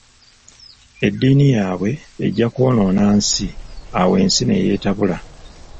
Eddiini yaabwe ejja kwonoona nsi, awo ensi ne yeetabula.